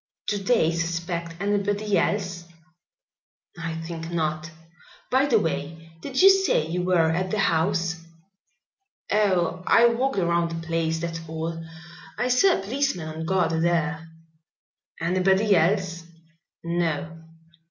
"Do they suspect anybody else?" "I think not. By the way, did you say you were at the house?" "Oh, I walked around the place, that's all. I saw a policeman on guard there." "Anybody else?" "No."